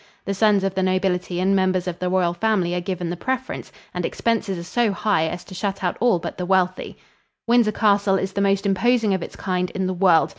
The sons of the nobility and members of the royal family are given the preference and expenses are so high as to shut out all but the wealthy. Windsor Castle is the most imposing of its kind in the world.